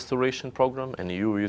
dan uni eropa menolongnya